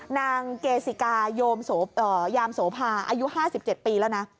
นางเกศิกายยามโสภาอายุ๕๗ปีแล้วนะ